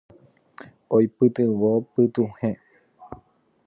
Oipytyvõ pytuhẽ.